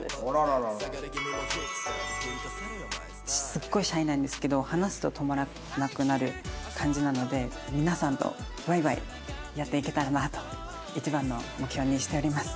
すっごいシャイなんですけど話すと止まらなくなる感じなので皆さんとワイワイやっていけたらなと一番の目標にしております。